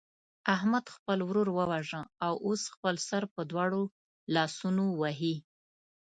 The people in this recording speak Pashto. احمد خپل ورور وواژه او اوس خپل سر په دواړو لاسونو وهي.